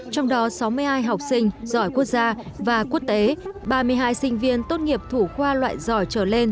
trong đó sáu mươi hai học sinh giỏi quốc gia và quốc tế ba mươi hai sinh viên tốt nghiệp thủ khoa loại giỏi trở lên